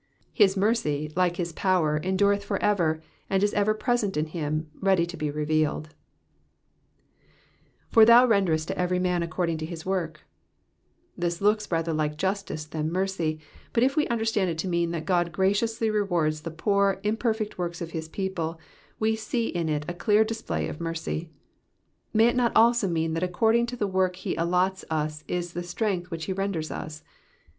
His mercy, like his power, endureth for ever, and is ever present in him, ready to be revealed, ''For thou renderest to every man according to his work,'*'* This looks rather like justice than mercy ; but if we understand it to mean that God graciously rewards the poor, imperfect works of his people, we see in it a clear display of mercy. May it not also mean that according to the work he allots us is the strength which he renders to us